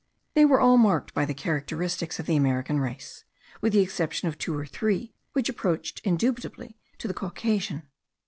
They were all marked by the characteristics of the American race, with the exception of two or three, which approached indubitably to the Caucasian.